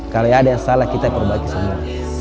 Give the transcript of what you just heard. kalau ada yang salah kita perbaiki semua